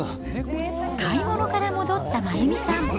買い物から戻った真弓さん。